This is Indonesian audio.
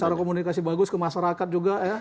cara komunikasi bagus ke masyarakat juga ya